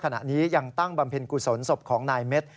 ขณะนี้ยังตั้งบำเพ็ญกุศลศพของนายเม็ด